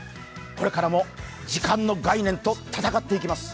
これからも時間の概念と戦っていきます。